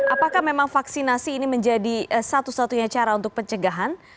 apakah memang vaksinasi ini menjadi satu satunya cara untuk pencegahan